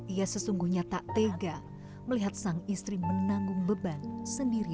ia sesungguhnya tak tega melihat sang istri menanggung beban sendiri